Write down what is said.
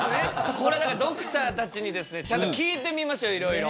これからドクターたちにちゃんと聞いてみましょういろいろ。